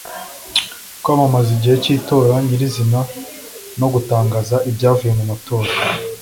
kwamamaza igihe cy’itora nyirizina no gutangaza ibyavuye mu matora